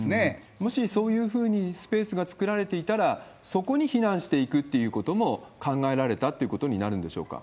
もしそういうふうにスペースが作られていたら、そこに避難していくということも考えられたということになるんでしょうか？